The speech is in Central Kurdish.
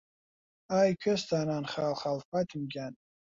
ئای کوێستانان خاڵ خاڵ فاتم گیان